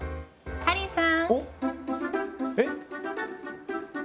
ハリーさん